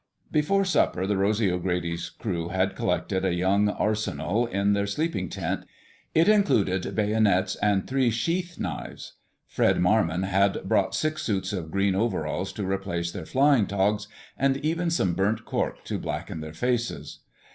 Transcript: Before supper the Rosy O'Grady's crew had collected a young arsenal in their sleeping tent. It included bayonets and three sheath knives. Fred Marmon had brought six suits of green coveralls to replace their flying togs, and even some burnt cork to blacken their faces.